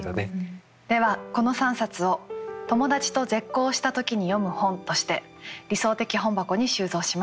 ではこの３冊を「友達と絶交した時に読む本」として理想的本箱に収蔵します。